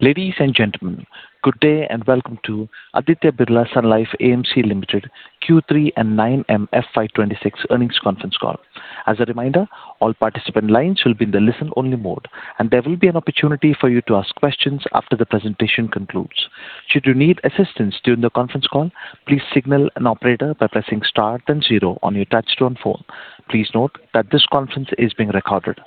Ladies and gentlemen, good day and welcome to Aditya Birla Sun Life AMC Limited Q3 and 9M FY26 earnings conference call. As a reminder, all participant lines will be in the listen-only mode, and there will be an opportunity for you to ask questions after the presentation concludes. Should you need assistance during the conference call, please signal an operator by pressing star then zero on your touchtone phone. Please note that this conference is being recorded.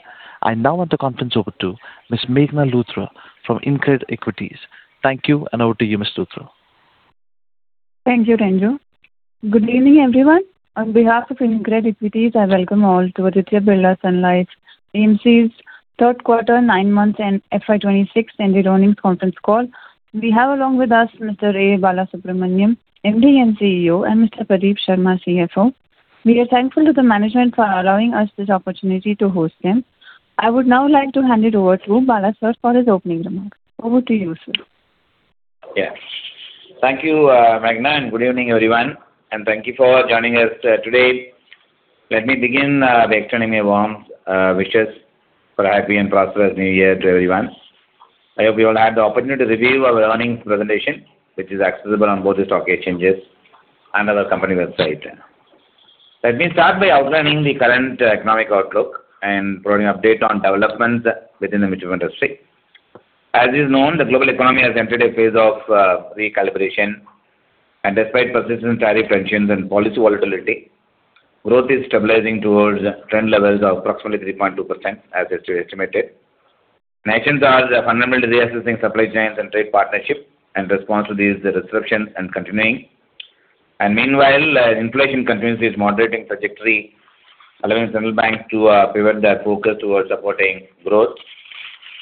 I now want to turn the conference over to Ms. Meghna Luthra from InCred Equities. Thank you, and over to you, Ms. Luthra. Thank you, Ranju. Good evening, everyone. On behalf of InCred Equities, I welcome all to Aditya Birla Sun Life AMC's third quarter, nine months, and FY26 ended earnings conference call. We have along with us Mr. A. Balasubramanian, MD and CEO, and Mr. Pradeep Sharma, CFO. We are thankful to the management for allowing us this opportunity to host them. I would now like to hand it over to Balasubramanian for his opening remarks. Over to you, sir. Yes. Thank you, Meghna, and good evening, everyone. And thank you for joining us today. Let me begin by extending my warm wishes for a happy and prosperous new year to everyone. I hope you all had the opportunity to review our earnings presentation, which is accessible on both the stock exchanges and our company website. Let me start by outlining the current economic outlook and providing an update on developments within the mutual fund industry. As is known, the global economy has entered a phase of recalibration. And despite persistent tariff tensions and policy volatility, growth is stabilizing towards trend levels of approximately 3.2% as estimated. Nations are fundamentally reassessing supply chains and trade partnerships in response to these restrictions and continuing. And meanwhile, inflation continues its moderating trajectory, allowing central banks to pivot their focus towards supporting growth.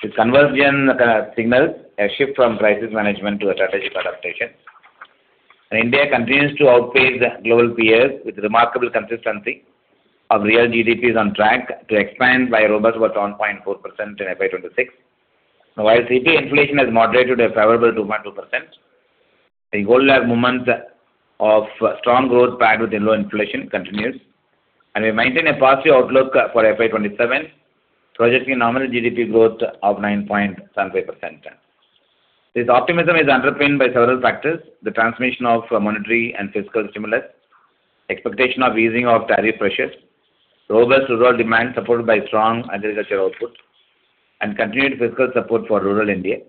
This convergence signals a shift from crisis management to strategic adaptation. India continues to outpace global peers with remarkable consistency of real GDP on track to expand by a robust over 1.4% in FY26, while CPI inflation has moderated to a favorable 2.2%. The Goldilocks moment of strong growth paired with low inflation continues. We maintain a positive outlook for FY27, projecting a nominal GDP growth of 9.75%. This optimism is underpinned by several factors: the transmission of monetary and fiscal stimulus, expectation of easing of tariff pressures, robust rural demand supported by strong agriculture output, and continued fiscal support for rural India.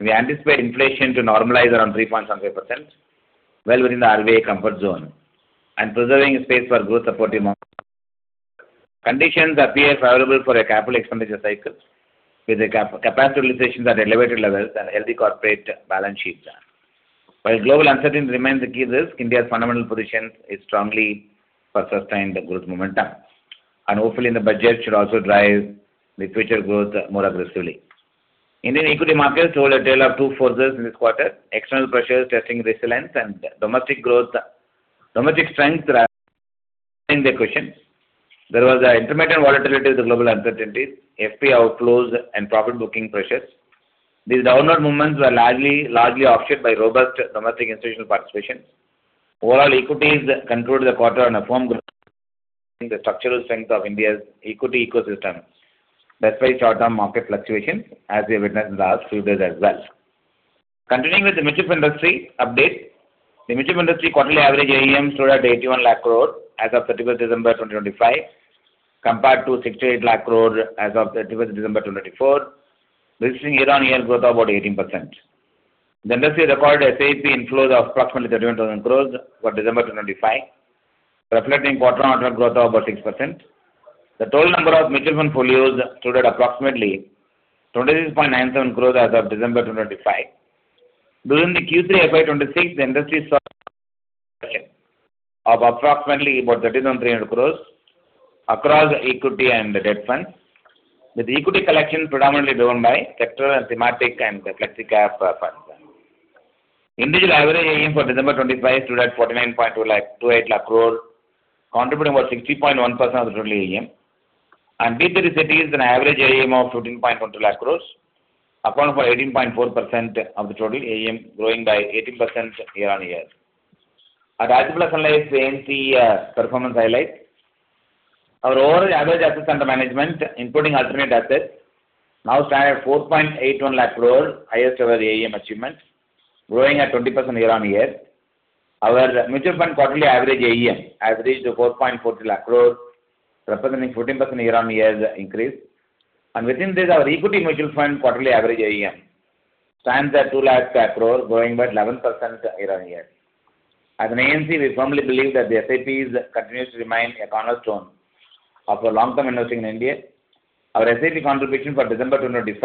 We anticipate inflation to normalize around 3.75%, well within the RBI comfort zone, and preserving space for growth-supporting markets. Conditions appear favorable for a capital expenditure cycle with capacity utilization at elevated levels and healthy corporate balance sheets. While global uncertainty remains the key risk, India's fundamental position is strongly for sustained growth momentum. Hopefully, the budget should also drive the future growth more aggressively. Indian equity markets told a tale of two forces in this quarter: external pressures testing resilience and domestic strength raising the question. There was intermittent volatility with global uncertainties, FPI outflows, and profit-booking pressures. These downward movements were largely offset by robust domestic institutional participation. Overall, equities concluded the quarter on a firm growth, showing the structural strength of India's equity ecosystem, despite short-term market fluctuations as we witnessed in the last few days as well. Continuing with the mutual industry update, the mutual industry quarterly average AUM stood at 81 lakh crores as of 31st December 2025, compared to 68 lakh crores as of 31st December 2024, witnessing year-on-year growth of about 18%. The industry recorded SIP inflows of approximately 31,000 crores for December 2025, reflecting quarter-on-quarter growth of about 6%. The total number of mutual portfolios stood at approximately 26.97 crores as of December 2025. During the Q3 FY26, the industry saw a collection of approximately 3,300 crores across equity and debt funds, with equity collection predominantly driven by sectoral and thematic and reflective funds. Individual average AUM for December 2025 stood at 49.28 lakh crores, contributing about 60.1% of the total AUM. B30 cities had an average AUM of 15.22 lakh crores, accounting for 18.4% of the total AUM, growing by 18% year-on-year. Aditya Birla Sun Life AUMC performance highlights. Our overall average assets under management, including alternate assets, now stand at 4.81 lakh crores, highest-ever AUM achievement, growing at 20% year-on-year. Our mutual fund quarterly average AUM has reached 4.42 lakh crores, representing a 14% year-on-year increase. And within this, our equity mutual fund quarterly average AUM stands at two lakh crores, growing by 11% year-on-year. As an AUMC, we firmly believe that the SIPs continue to remain a cornerstone of our long-term investing in India. Our SIP contribution for December 2025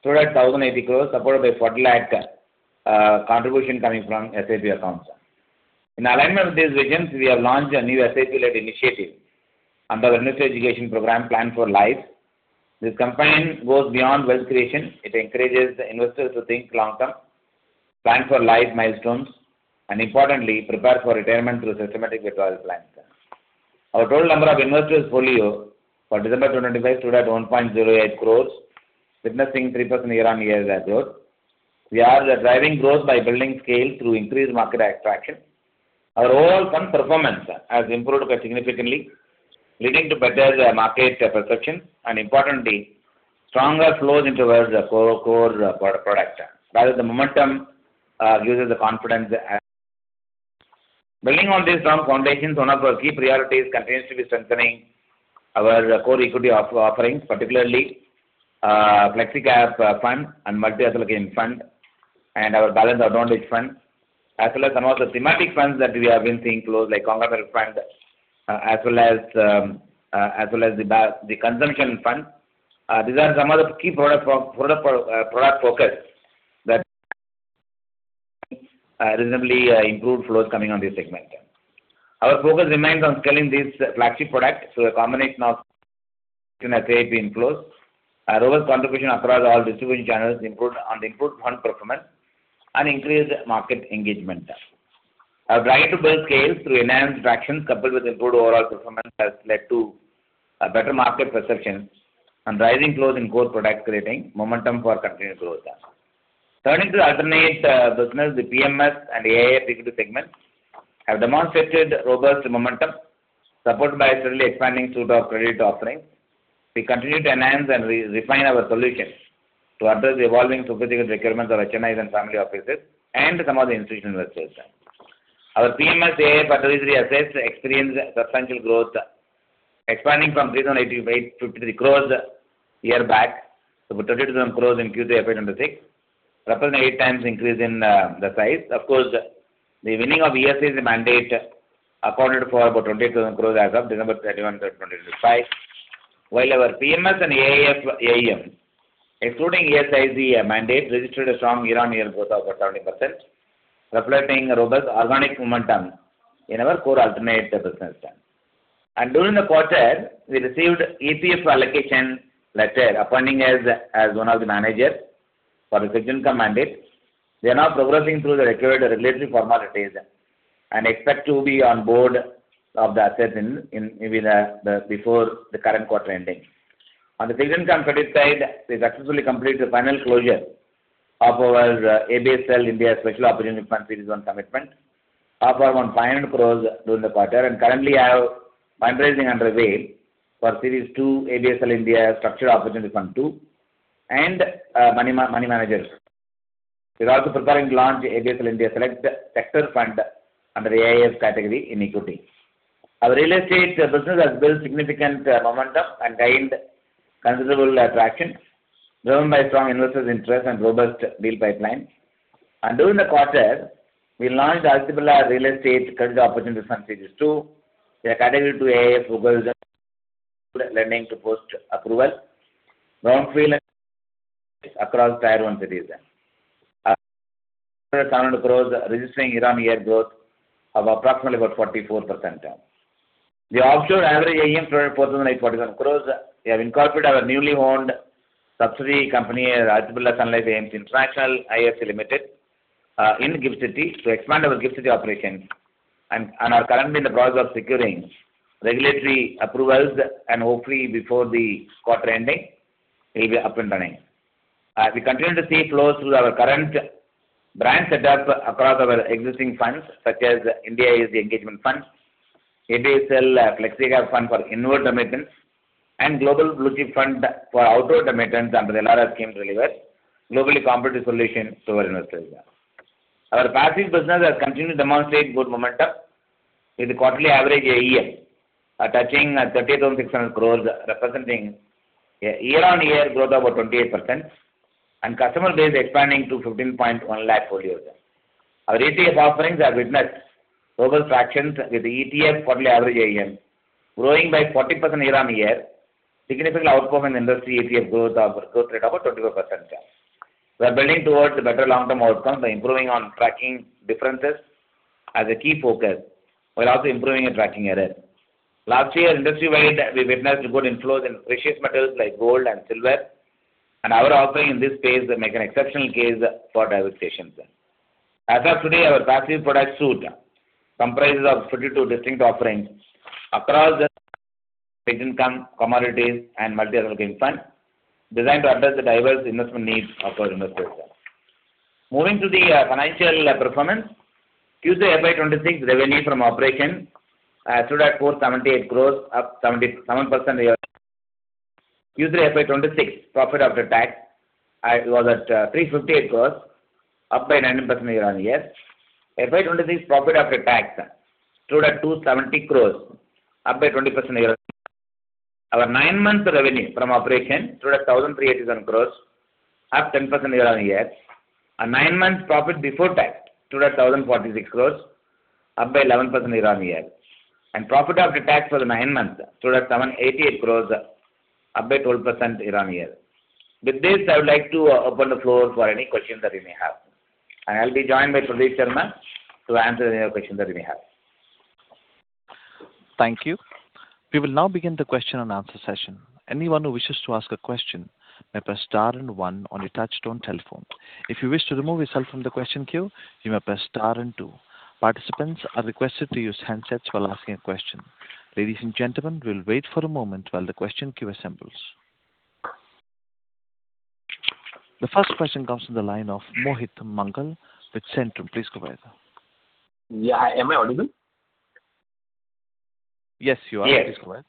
stood at 1,080 crores, supported by 40 lakh contributions coming from SIP accounts. In alignment with these visions, we have launched a new SIP-led initiative under our Investor Education Program Plan for Life. This campaign goes beyond wealth creation. It encourages investors to think long-term, plan for life milestones, and, importantly, prepare for retirement through systematic retirement plans. Our total number of investor portfolios for December 2025 stood at 1.08 crores, witnessing a 3% year-on-year growth. We are driving growth by building scale through increased market attraction. Our overall fund performance has improved significantly, leading to better market perception and, importantly, stronger flows into our core product. That is, the momentum gives us the confidence. Building on these strong foundations, one of our key priorities continues to be strengthening our core equity offerings, particularly Flexi Cap Fund and Multi-Asset Allocation Fund and our Balanced Advantage Fund, as well as some of the thematic funds that we have been seeing flows like Conglomerate Fund as well as the Consumption Fund. These are some of the key product focus that reasonably improved flows coming on this segment. Our focus remains on scaling these flagship products through a combination of SIP inflows, robust contribution across all distribution channels, improved fund performance, and increased market engagement. Our drive to build scale through enhanced traction, coupled with improved overall performance, has led to better market perception and rising flows in core products, creating momentum for continued growth. Turning to the alternate business, the PMS and AIF equity segments have demonstrated robust momentum, supported by a steadily expanding suite of credit offerings. We continue to enhance and refine our solutions to address the evolving sophisticated requirements of HMIs and family offices and some of the institutional investors. Our PMS AIF category 3 assets experienced substantial growth, expanding from 3,853 crores a year back to about 22,000 crores in Q3 FY26, representing an eight-times increase in the size. Of course, the winning of ESIC mandate accounted for about 28,000 crores as of December 31, 2025, while our PMS and AIF AUM, excluding ESIC mandate, registered a strong year-on-year growth of about 70%, reflecting robust organic momentum in our core alternate business. During the quarter, we received EPF allocation letter appointing us as one of the managers for the fixed income mandate. We are now progressing through the required regulatory formalities and expect to be on board of the assets before the current quarter ending. On the fixed income credit side, we successfully completed the final closure of our ABSL India Special Opportunities Fund Series 1 commitment of around 500 crores during the quarter and currently have fundraising underway for Series 2 ABSL India Structured Opportunity Fund 2 and Money Manager Fund. We are also preparing to launch ABSL India Select Sector Fund under the AIF category in equity. Our real estate business has built significant momentum and gained considerable traction, driven by strong investor interest and robust deal pipelines, and during the quarter, we launched multiple Real Estate Credit Opportunities Fund Series 2 in a category 2 AIF which does lending to post-approval real estate across Tier 1 cities, accounting for 700 crores, registering year-on-year growth of approximately 44%. The offshore average AUM stood at 4,841 crores. We have incorporated our wholly owned subsidiary company, Aditya Birla Sun Life AMC International IFSC Limited in GIFT City to expand our GIFT City operations, and we are currently in the process of securing regulatory approvals and hopefully before the quarter ending, we'll be up and running. We continue to see flows through our current brand setup across our existing funds, such as ABSL India ESG Engagement Fund, ABSL Flexi Cap Fund for inward remittance, and ABSL Global Blue Chip Fund for outward remittance under the LRS scheme delivered, globally compared to solutions to our investors. Our passive business has continued to demonstrate good momentum with a quarterly average AUM touching 38,600 crores, representing a year-on-year growth of about 28% and customer base expanding to 15.1 lakh portfolios. Our ETF offerings have witnessed robust traction with the ETF quarterly average AUM growing by 40% year-on-year, significantly outperforming the industry ETF growth of a growth rate of about 25%. We are building towards better long-term outcomes by improving on tracking differences as a key focus, while also improving tracking errors. Last year, industry-wide, we witnessed good inflows in precious metals like gold and silver, and our offering in this space makes an exceptional case for diversification. As of today, our passive product suite comprises of 52 distinct offerings across fixed income commodities and multi-asset allocation fund, designed to address the diverse investment needs of our investors. Moving to the financial performance, Q3 FY26 revenue from operations stood at 478 crores, up 7%. Q3 FY26 profit after tax was at 358 crores, up by 19% year-on-year. FY26 profit after tax stood at 270 crores, up by 20% year-on-year. Our nine-month revenue from operations stood at 1,387 crores, up 10% year-on-year. Our nine-month profit before tax stood at 1,046 crores, up by 11% year-on-year, and profit after tax for the nine months stood at 788 crores, up by 12% year-on-year. With this, I would like to open the floor for any questions that you may have, and I'll be joined by Pradeep Sharma to answer any other questions that you may have. Thank you. We will now begin the question and answer session. Anyone who wishes to ask a question may press Star and One on your touch-tone telephone. If you wish to remove yourself from the question queue, you may press Star and Two. Participants are requested to use handsets while asking a question. Ladies and gentlemen, we'll wait for a moment while the question queue assembles. The first question comes from the line of Mohit Mangal with Centrum. Please go ahead. Yeah. Am I audible? Yes, you are. Yes. Please go ahead.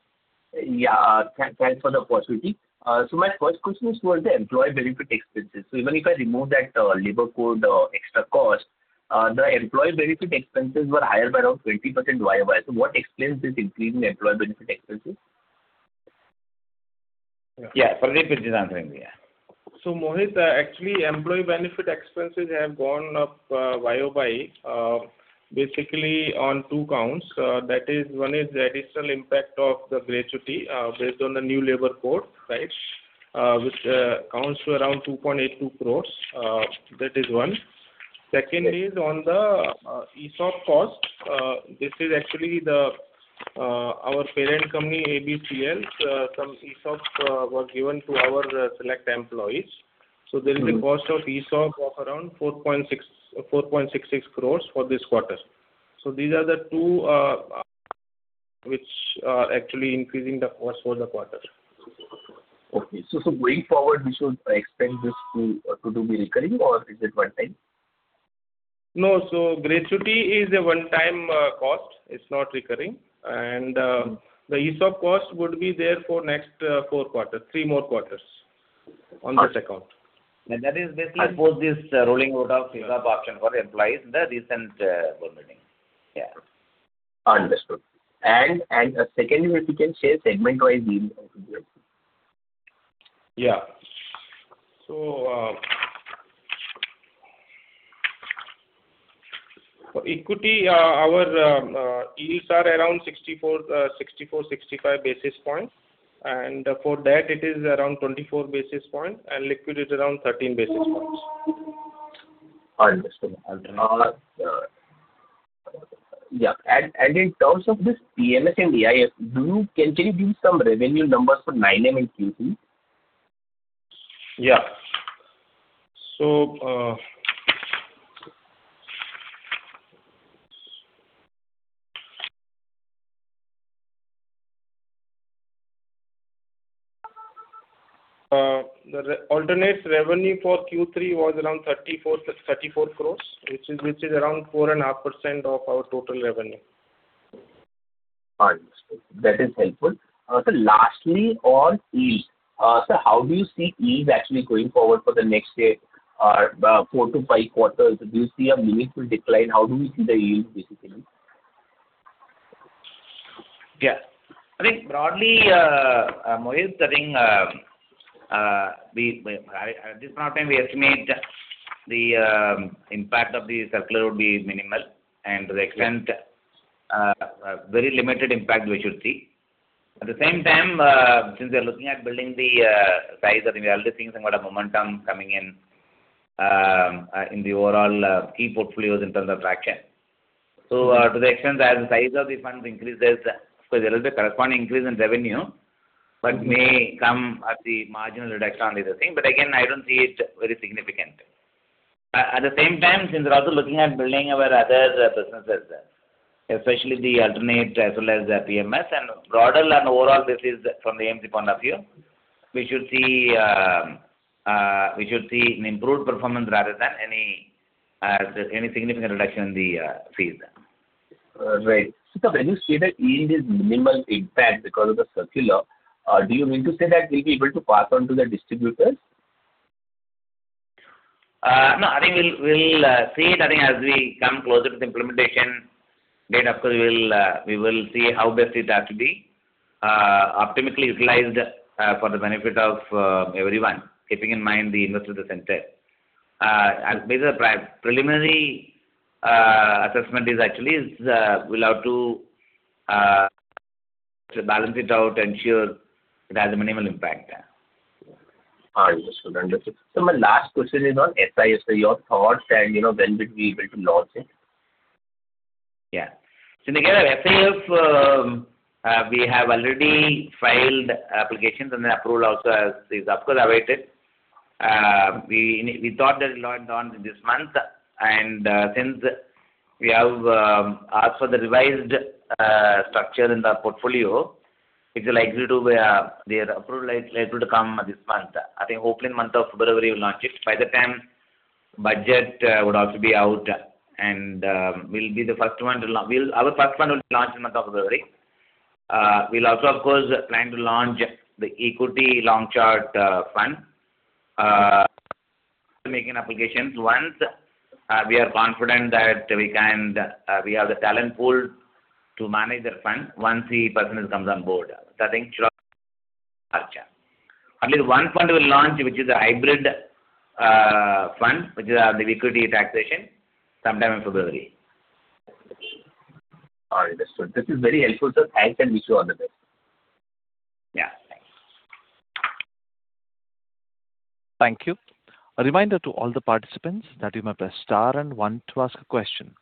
Yeah. Thanks for the opportunity, so my first question is, what are the employee benefit expenses? So even if I remove that labor code extra cost, the employee benefit expenses were higher by around 20% YoY. So what explains this increase in employee benefit expenses? Yeah. Pradeep is answering the yeah. So Mohit, actually, employee benefit expenses have gone up YoY, basically on two counts. That is, one is the additional impact of the gratuity based on the new labor code, right, which amounts to around 2.82 crores. That is one. Second is on the ESOP cost. This is actually our parent company ABCL. Some ESOP was given to our select employees. So there is a cost of ESOP of around 4.66 crores for this quarter. So these are the two which are actually increasing the cost for the quarter. Okay. So going forward, we should expect this to be recurring, or is it one-time? No. So gratuity is a one-time cost. It's not recurring. The ESOP cost would be there for next four quarters, three more quarters on this account. And that is basically I suppose this rolling out of ESOP option for employees in the recent quarter. Yeah. Understood. And a second, if you can share segment-wise yield. Yeah. So equity, our yields are around 64, 65 basis points. And for that, it is around 24 basis points. And liquidity is around 13 basis points. Understood. Yeah. And in terms of this PMS and AIF, can you give me some revenue numbers for 9M and QC? Yeah. So the alternative revenue for Q3 was around 34 crores, which is around 4.5% of our total revenue. Understood. That is helpful. So lastly, on yield, so how do you see yields actually going forward for the next four to five quarters? Do you see a meaningful decline? How do we see the yield, basically? Yeah. I think broadly, Mohit, I think this time we estimate the impact of the circular would be minimal. And to the extent, very limited impact we should see. At the same time, since we are looking at building the size of the AIF things and got a momentum coming in the overall key portfolios in terms of traction. So to the extent that the size of the funds increases, there's a little bit corresponding increase in revenue, but may come at the marginal reduction on the other thing. But again, I don't see it very significant. At the same time, since we're also looking at building our other businesses, especially the alternates as well as PMS and broader and overall basis from the AMC point of view, we should see an improved performance rather than any significant reduction in the fees. Right. So when you say that yield is minimal impact because of the circular, do you mean to say that we'll be able to pass on to the distributors? No. I think we'll see it. I think as we come closer to the implementation date, of course, we will see how best it has to be optimally utilized for the benefit of everyone, keeping in mind the investor at the center. And basically, the preliminary assessment is actually we'll have to balance it out and ensure it has a minimal impact. Understood. Understood. So my last question is on SIF. So your thoughts and when will we be able to launch it? Yeah. So in the case of SIF, we have already filed applications and then approval also is, of course, awaited. We thought that it would launch this month. And since we have asked for the revised structure in the portfolio, it's likely to be approved this month. I think hopefully in the month of February, we'll launch it. By the time, budget would also be out. We'll be the first one to launch. Our first fund will be launched in the month of February. We'll also, of course, plan to launch the equity long-short fund. We'll make an application once we are confident that we have the talent pool to manage the fund once the person comes on board. I think at least one fund we'll launch, which is a hybrid fund, which is the equity taxation, sometime in February. Understood. This is very helpful. So thanks, and wish you all the best. Yeah. Thanks. Thank you. A reminder to all the participants that you may press Star and One to ask a question.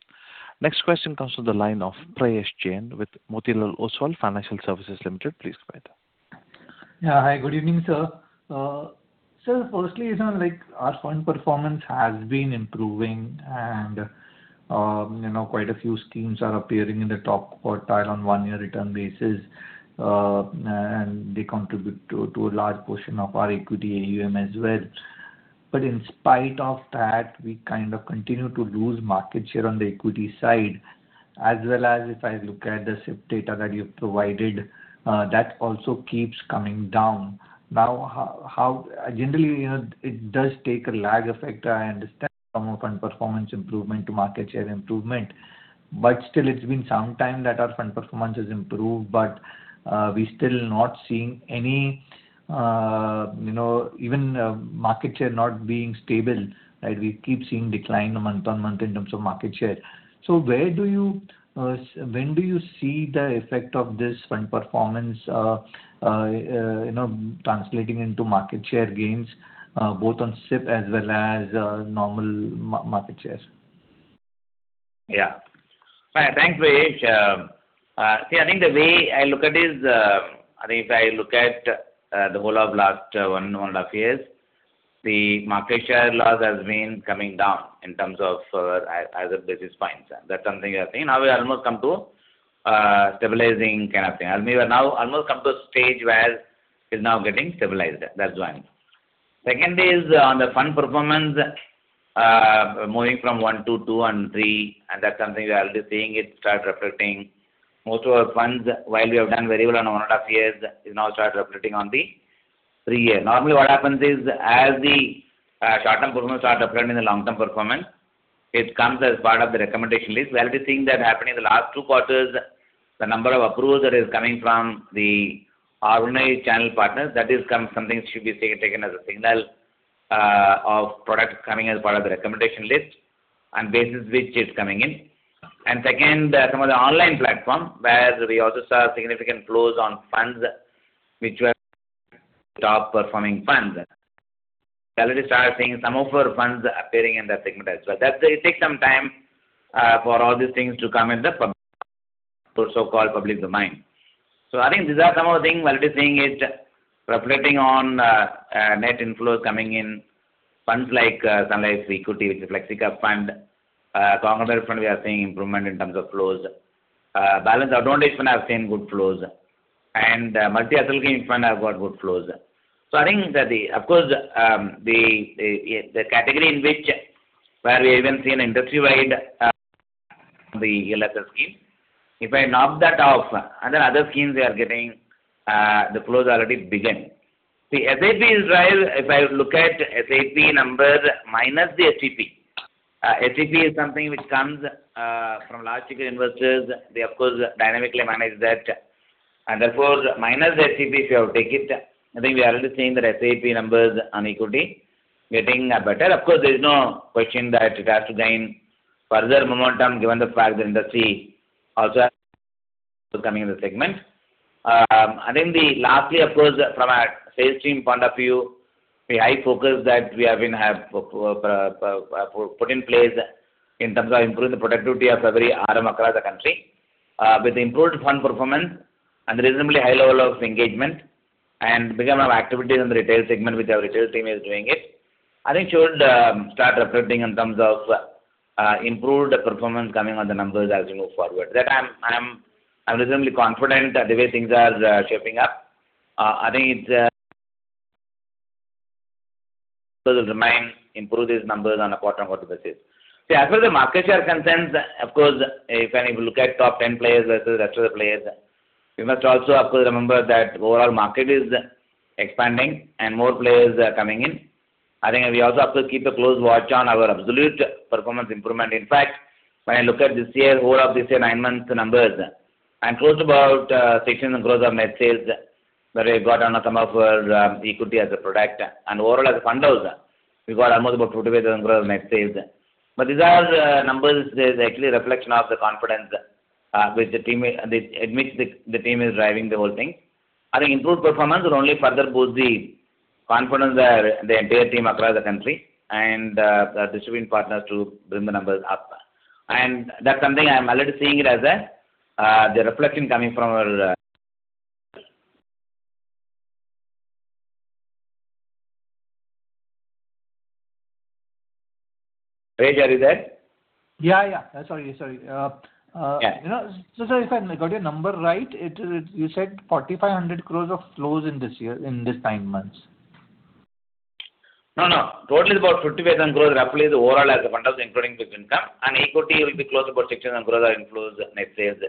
Next question comes from the line of Prayesh Jain with Motilal Oswal Financial Services Limited. Please go ahead. Yeah. Hi. Good evening, sir. So firstly, our fund performance has been improving. And quite a few schemes are appearing in the top quartile on one-year return basis. And they contribute to a large portion of our equity AUM as well. But in spite of that, we kind of continue to lose market share on the equity side. As well as if I look at the SIP data that you've provided, that also keeps coming down. Now, generally, it does take a lag effect, I understand, from fund performance improvement to market share improvement. But still, it's been some time that our fund performance has improved, but we're still not seeing any even market share not being stable. We keep seeing decline month on month in terms of market share. So where do you see the effect of this fund performance translating into market share gains, both on SIP as well as normal market shares? Yeah. Thanks, Prayesh. See, I think the way I look at it is, I think if I look at the whole of last one and a half years, the market share loss has been coming down in terms of other basis points. That's something we are seeing. Now, we're almost come to stabilizing kind of thing. I mean, we're now almost come to a stage where it's now getting stabilized. That's one. Second is on the fund performance moving from one, two, two, and three. And that's something we are already seeing it start reflecting. Most of our funds, while we have done variable on one and a half years, is now start reflecting on the three-year. Normally, what happens is, as the short-term performance start reflecting the long-term performance, it comes as part of the recommendation list. We're already seeing that happening in the last two quarters. The number of approvals that is coming from the ordinary channel partners, that is something should be taken as a signal of product coming as part of the recommendation list and basis which it's coming in. And second, some of the online platform where we also saw significant flows on funds, which were top-performing funds. We're already start seeing some of our funds appearing in that segment as well. It takes some time for all these things to come in the so-called public domain. So I think these are some of the things we're already seeing it reflecting on net inflows coming in funds like Sun Life's equity, which is Flexi Cap Fund. Conglomerate Fund, we are seeing improvement in terms of flows. Balance Advantage Fund has seen good flows. And Multi-Asset Allocation Fund have got good flows. So I think that, of course, the category in which where we have even seen industry-wide the ELSS scheme, if I knock that off, and then other schemes we are getting, the flows already begin. See, SAP is dry. If I look at SAP number minus the SAP, SAP is something which comes from large-scale investors. They, of course, dynamically manage that. And therefore, minus the SAP, if you take it, I think we are already seeing that SAP numbers on equity getting better. Of course, there's no question that it has to gain further momentum given the fact that industry also coming in the segment. I think lastly, of course, from a sales team point of view, the high focus that we have been put in place in terms of improving the productivity of every arm across the country with improved fund performance and reasonably high level of engagement and bevy of activities in the retail segment, which our retail team is doing it, I think should start reflecting in terms of improved performance coming on the numbers as we move forward. That I'm reasonably confident the way things are shaping up. I think it will remain improved these numbers on a quarter-on-quarter basis. See, as far as the market share concerns, of course, if any look at top 10 players versus the rest of the players, we must also, of course, remember that overall market is expanding and more players are coming in. I think we also have to keep a close watch on our absolute performance improvement. In fact, when I look at this year, all of this year nine-month numbers, and close to about 16,000 gross of net sales that we got on the AUM of our equity as a product. And overall, as a fund house, we got almost about 45,000 gross of net sales. But these are numbers that are actually a reflection of the confidence which the team amidst the team is driving the whole thing. I think improved performance will only further boost the confidence of the entire team across the country and the distributing partners to bring the numbers up. And that's something I'm already seeing it as the reflection coming from our Prayesh. Are you there? Yeah. Yeah. Sorry. Sorry. So if I got your number right, you said 4,500 gross of flows in this year, in these nine months. No, no. Total is about 55,000 gross roughly is overall as a fund house, including fixed income. And equity will be close to about 16,000 gross of inflows net sales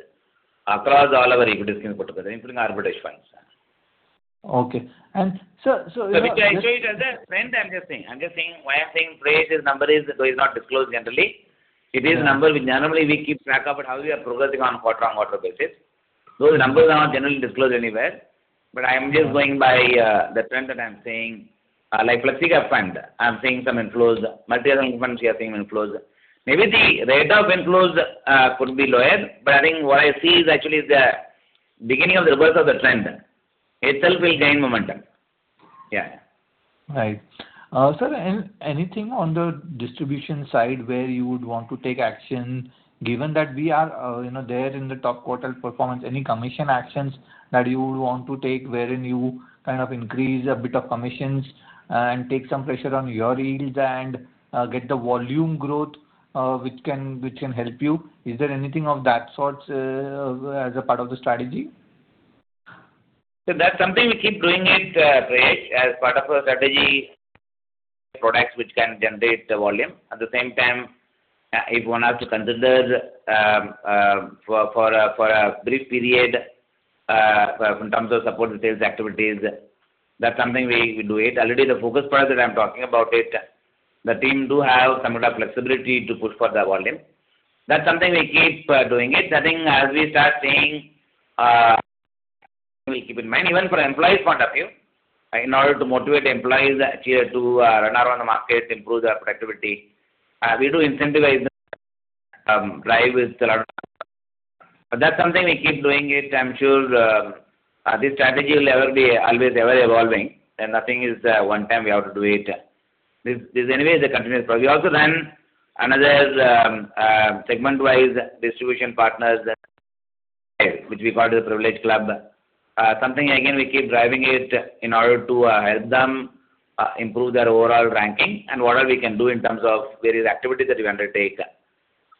across all of our equity schemes in particular, including arbitrage funds. Okay. And so I show it as a trend. I'm just saying. I'm just saying why I'm saying Prayesh's number is not disclosed generally. It is a number which normally we keep track of, but how we are progressing on quarter-on-quarter basis. Those numbers are not generally disclosed anywhere. But I'm just going by the trend that I'm seeing. Like Flexi Cap Fund, I'm seeing some inflows. Multi-Asset Allocation Fund, we are seeing inflows. Maybe the rate of inflows could be lower. But I think what I see is actually the beginning of the reverse of the trend. Itself will gain momentum. Yeah. Right. Sir, anything on the distribution side where you would want to take action given that we are there in the top quartile performance? Any commission actions that you would want to take wherein you kind of increase a bit of commissions and take some pressure on your yields and get the volume growth which can help you? Is there anything of that sort as a part of the strategy? So that's something we keep doing it, Prayesh, as part of our strategy. Products which can generate the volume. At the same time, if one has to consider for a brief period in terms of supporting sales activities, that's something we do it. Already the focus product that I'm talking about it, the team do have some of the flexibility to push for the volume. That's something we keep doing it. I think as we start seeing, we keep in mind, even from an employee point of view, in order to motivate employees to run around the market, improve their productivity, we do incentivize them to drive with a lot of. But that's something we keep doing it. I'm sure this strategy will always be evolving. And nothing is one-time we have to do it. This anyway is a continuous process. We also run another segment-wise distribution partners which we call the Privilege Club. Something again we keep driving it in order to help them improve their overall ranking and whatever we can do in terms of various activities that we undertake.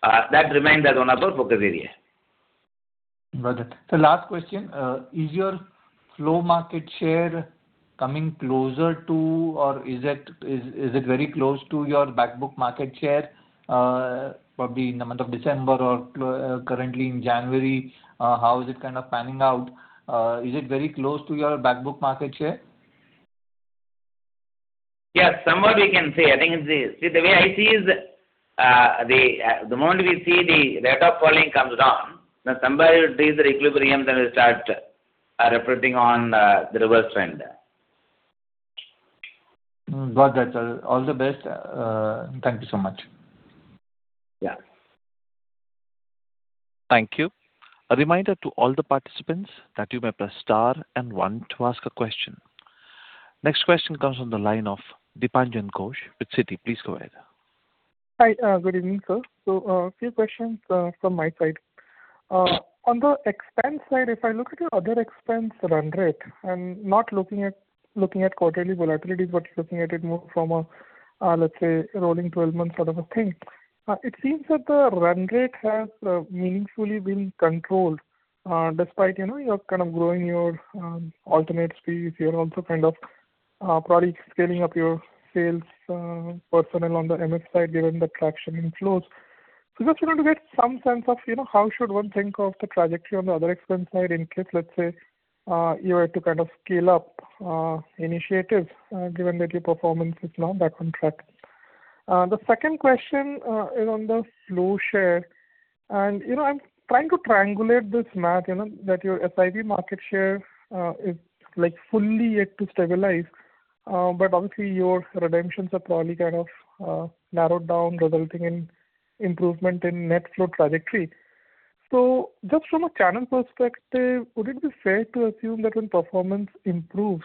That remains as one of our focus areas. Got it. So last question. Is your flow market share coming closer to, or is it very close to your backbook market share, probably in the month of December or currently in January? How is it kind of panning out? Is it very close to your backbook market share? Yes. Somewhere we can say. I think it's this. See, the way I see is the moment we see the rate of falling comes down, then somebody will raise the equilibrium and then we start reflecting on the reverse trend. Got it. All the best. Thank you so much. Yeah. Thank you. A reminder to all the participants that you may press Star and One to ask a question. Next question comes from the line of Dipanjan Ghosh with Citi. Please go ahead. Hi. Good evening, sir. So a few questions from my side. On the expense side, if I look at your other expense run rate and not looking at quarterly volatilities, but looking at it more from a, let's say, rolling 12-month sort of a thing, it seems that the run rate has meaningfully been controlled despite your kind of growing your alternate suite. You're also kind of probably scaling up your sales personnel on the MX side given the traction in flows. So just wanted to get some sense of how should one think of the trajectory on the other expense side in case, let's say, you were to kind of scale up initiatives given that your performance is not back on track? The second question is on the flow share, and I'm trying to triangulate this math that your SIP market share is fully yet to stabilize. But obviously, your redemptions have probably kind of narrowed down, resulting in improvement in net flow trajectory. So just from a channel perspective, would it be fair to assume that when performance improves,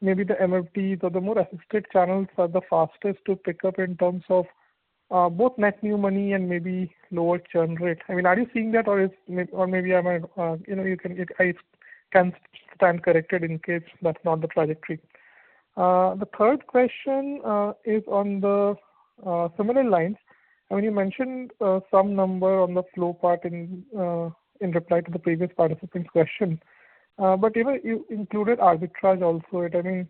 maybe the MFTs or the more assisted channels are the fastest to pick up in terms of both net new money and maybe lower churn rate? I mean, are you seeing that, or maybe I can stand corrected in case that's not the trajectory? The third question is on the similar lines. I mean, you mentioned some number on the flow part in reply to the previous participant's question. But you included arbitrage also. I mean,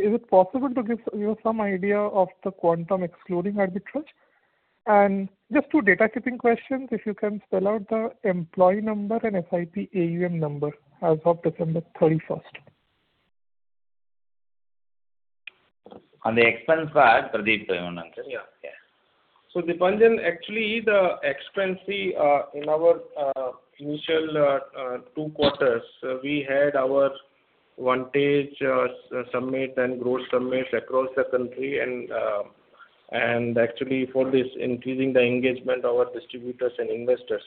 is it possible to give some idea of the quantum excluding arbitrage? And just two housekeeping questions. If you can spell out the employee number and SIP AUM number as of December 31st. On the expense part, Pradeep, do you want to answer? Yeah. So Dipanjan, actually, the expense in our initial two quarters, we had our vantage summit and growth summits across the country. And actually, for this, increasing the engagement of our distributors and investors.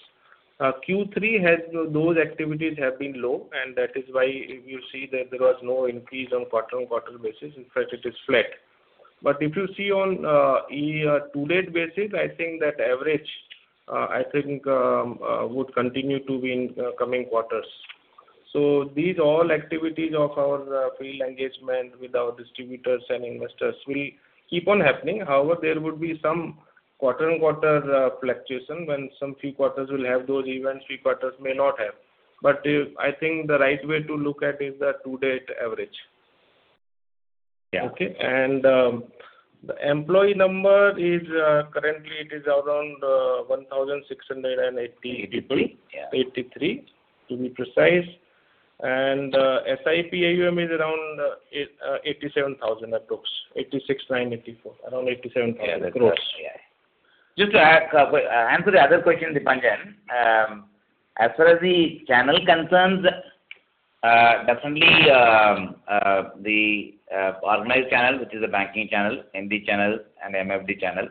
Q3, those activities have been low. And that is why you see that there was no increase on quarter-on-quarter basis. In fact, it is flat. But if you see on a year-on-year basis, I think that average, I think, would continue to be in coming quarters. So these all activities of our field engagement with our distributors and investors will keep on happening. However, there would be some quarter-on-quarter fluctuation when some few quarters will have those events, few quarters may not have. But I think the right way to look at is the year-on-year average. Yeah. Okay, and the employee number is currently around 1,680. 83, to be precise. SIP AUM is around 87,000 approx. 86,984. Around 87,000 gross. Yeah. Just to answer the other question, Dipanjan, as far as the channel concerns, definitely the organized channel, which is the banking channel, MD channel, and MFD channel,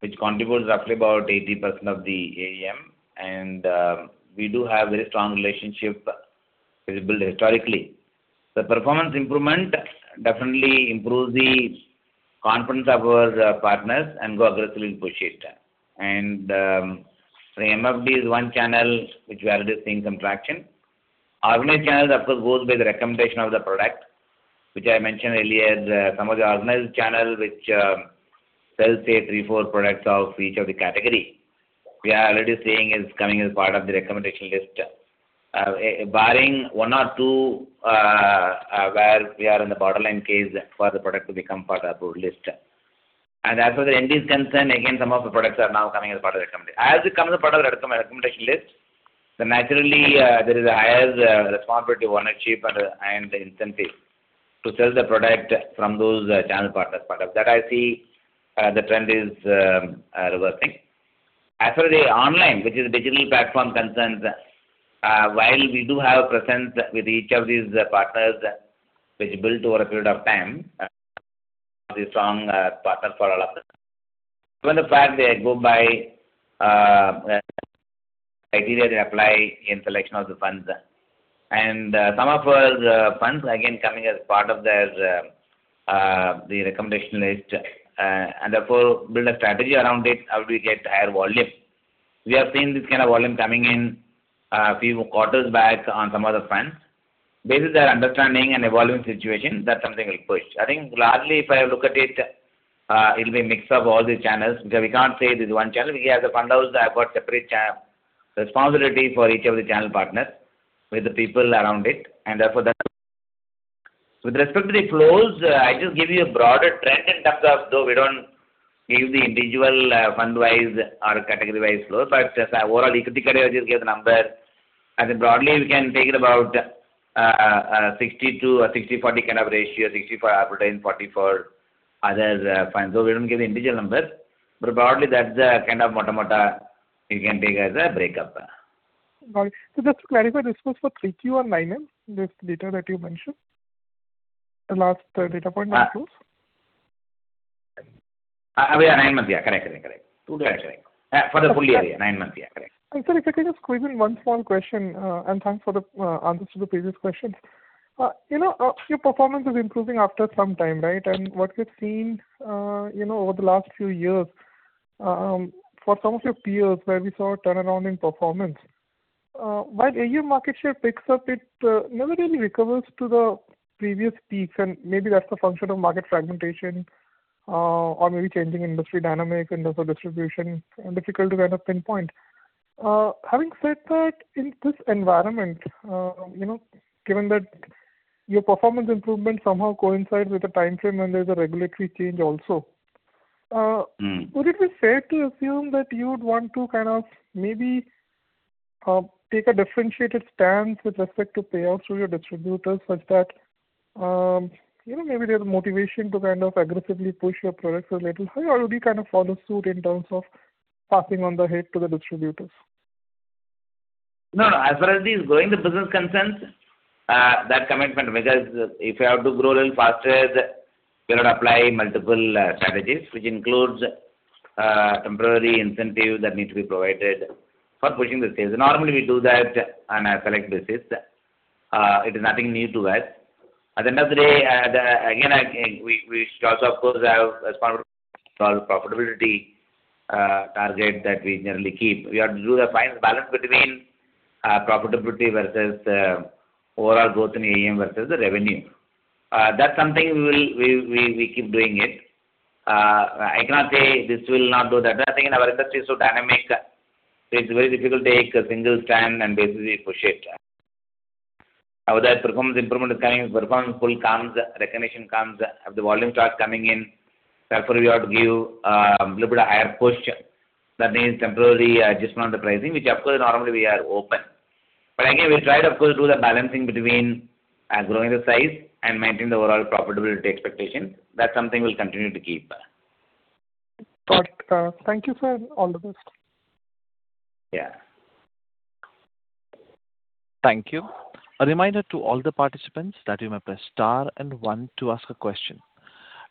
which contributes roughly about 80% of the AUM. We do have a very strong relationship built historically. The performance improvement definitely improves the confidence of our partners and goes aggressively in pushing it. The MFD is one channel which we are already seeing some traction. Organized channel, of course, goes by the recommendation of the product, which I mentioned earlier. Some of the organized channel which sells, say, three, four products of each of the category, we are already seeing is coming as part of the recommendation list, barring one or two where we are in the borderline case for the product to become part of our list. And as for the MDs concerned, again, some of the products are now coming as part of the recommendation. As it comes as part of the recommendation list, then naturally, there is a higher responsibility, ownership, and incentive to sell the product from those channel partners. But that I see the trend is reversing. As for the online, which is digital platform concerns, while we do have a presence with each of these partners which built over a period of time, the strong partner for all of them. Given the fact they go by criteria they apply in selection of the funds. And some of the funds, again, coming as part of the recommendation list, and therefore build a strategy around it. How do we get higher volume? We have seen this kind of volume coming in a few quarters back on some of the funds. Based on their understanding and evolving situation, that's something we'll push. I think largely, if I look at it, it'll be a mix of all the channels because we can't say there's one channel. We have the fund house that have got separate responsibility for each of the channel partners with the people around it. And therefore, with respect to the flows, I just give you a broader trend in terms of though we don't give the individual fund-wise or category-wise flows. But overall, equity category, we just give the number. I think broadly, we can take it about 60 to 60, 40 kind of ratio, 60 for arbitrage and 40 for other funds. So we don't give the individual numbers. But broadly, that's the kind of motta-motta you can take as a breakup. Got it. So just to clarify, this was for 3Q or 9M, this data that you mentioned? The last data point was flows? We are 9M month, yeah. Correct. Correct. Correct. 2Q. Correct. For the full year, yeah. 9M month, yeah. Correct. And sir, if I can just squeeze in one small question, and thanks for the answers to the previous questions. Your performance is improving after some time, right? And what we've seen over the last few years for some of your peers where we saw a turnaround in performance, while AUM market share picks up, it never really recovers to the previous peaks. And maybe that's a function of market fragmentation or maybe changing industry dynamic and also distribution. Difficult to kind of pinpoint. Having said that, in this environment, given that your performance improvement somehow coincides with the time frame when there's a regulatory change also, would it be fair to assume that you would want to kind of maybe take a differentiated stance with respect to payouts to your distributors such that maybe there's a motivation to kind of aggressively push your products a little? How do you already kind of follow suit in terms of passing on the hit to the distributors? No, no. As far as it is going, the business concerns that commitment because if we have to grow a little faster, we're going to apply multiple strategies which includes temporary incentives that need to be provided for pushing the sales. Normally, we do that on a select basis. It is nothing new to us. At the end of the day, again, we should also, of course, have a profitability target that we generally keep. We have to do the balance between profitability versus overall growth in AUM versus the revenue. That's something we keep doing it. I cannot say this will not do that. I think our industry is so dynamic. It's very difficult to take a single stand and basically push it. Now, with that performance improvement coming, performance pull comes, recognition comes, the volume starts coming in. Therefore, we have to give a little bit of higher push. That means temporary adjustment on the pricing, which, of course, normally we are open. But again, we try to, of course, do the balancing between growing the size and maintain the overall profitability expectations. That's something we'll continue to keep. Got it. Thank you for all the best. Yeah. Thank you. A reminder to all the participants that you may press Star and One to ask a question.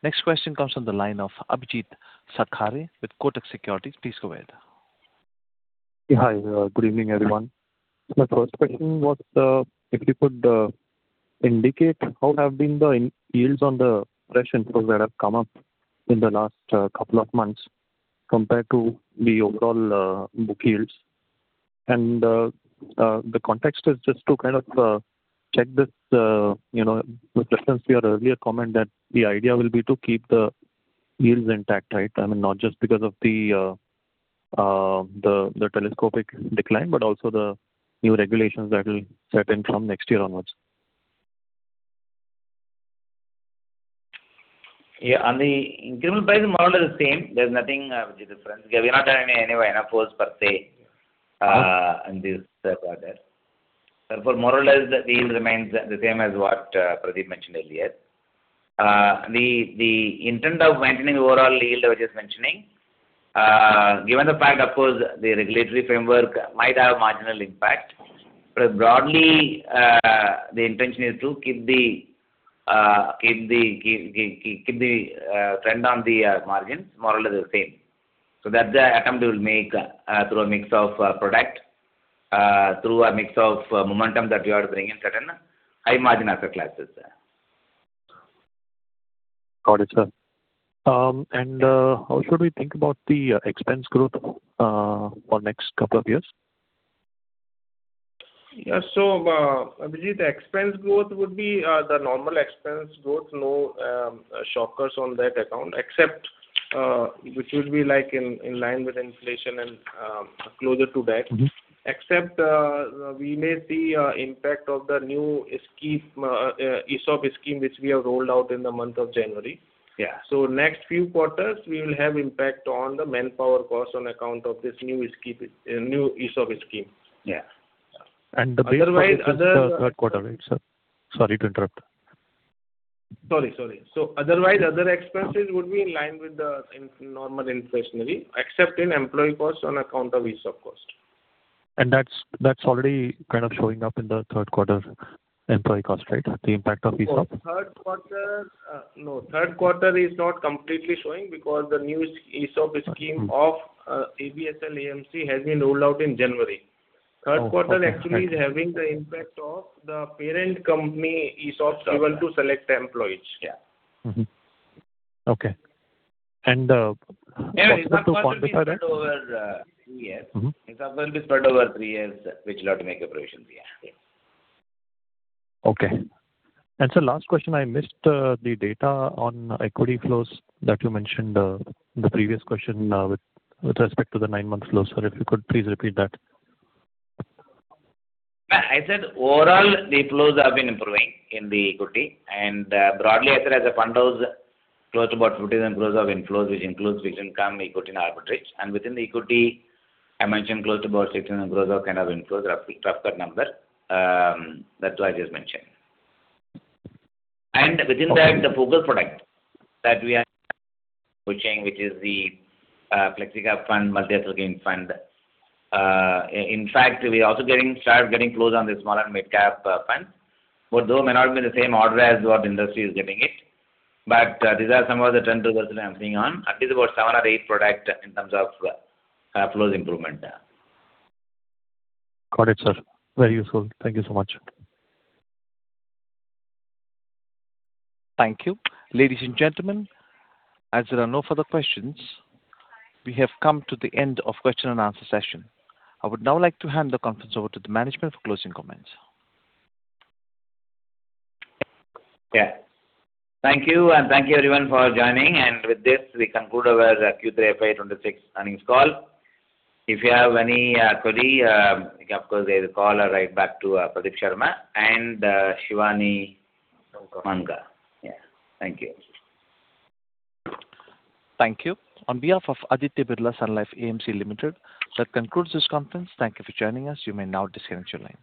Next question comes from the line of Abhijeet Sakhare with Kotak Securities. Please go ahead. Hi. Good evening, everyone. My first question was if you could indicate how have been the yields on the fresh inflows that have come up in the last couple of months compared to the overall book yields. And the context is just to kind of check this with reference to your earlier comment that the idea will be to keep the yields intact, right? I mean, not just because of the telescopic decline, but also the new regulations that will set in from next year onwards. Yeah. On the incremental price, more or less the same. There's no difference. We have not done anyway, of course per se, in this quarter. Therefore, more or less, the yield remains the same as what Pradeep mentioned earlier. The intent of maintaining overall yield, I was just mentioning, given the fact, of course, the regulatory framework might have a marginal impact. But broadly, the intention is to keep the trend on the margins more or less the same. So that's the attempt we'll make through a mix of product, through a mix of momentum that we are bringing in certain high-margin asset classes. Got it, sir. And how should we think about the expense growth for next couple of years? Yeah. So, Abhijit, expense growth would be the normal expense growth. No shockers on that account, which would be in line with inflation and closer to that. Except, we may see impact of the new ESOP scheme which we have rolled out in the month of January, so next few quarters, we will have impact on the manpower cost on account of this new ESOP scheme. Yeah And the basis is the third quarter, right, sir? Sorry to interrupt. Sorry. Sorry, so otherwise, other expenses would be in line with the normal inflationary, except in employee cost on account of ESOP cost, and that's already kind of showing up in the third quarter employee cost, right? The impact of ESOP? No, third quarter is not completely showing because the new ESOP scheme of ABSL AMC has been rolled out in January. Third quarter actually is having the impact of the parent company ESOPs given to select employees. Yeah. Okay. And is that going to be spread over three years? It's not going to be spread over three years, which allowed to make operations. Yeah. Okay. And sir, last question. I missed the data on equity flows that you mentioned in the previous question with respect to the nine-month flows. Sir, if you could please repeat that. I said overall, the flows have been improving in the equity. And broadly, I said as a fund house, close to about 50% growth of inflows, which includes fixed income, equity, and arbitrage. And within the equity, I mentioned close to about 60% growth of kind of inflows, rough cut number. That's why I just mentioned. And within that, the focal product that we are pushing, which is the Flexi Cap Fund, Multi-Asset Allocation Fund. In fact, we also started getting flows on the small and mid-cap funds. But though may not be in the same order as what the industry is getting it. But these are some of the trends to go through. I'm seeing on at least about seven or eight products in terms of flows improvement. Got it, sir. Very useful. Thank you so much. Thank you. Ladies and gentlemen, as there are no further questions, we have come to the end of the question and answer session. I would now like to hand the conference over to the management for closing comments. Yeah. Thank you. And thank you, everyone, for joining. And with this, we conclude our Q3 FY 26 earnings call. If you have any query, of course, either call or write back to Pradeep Sharma and Shivani Manga. Yeah. Thank you. Thank you. On behalf of Aditya Birla Sun Life AMC Limited, that concludes this conference. Thank you for joining us. You may now disconnect your lines.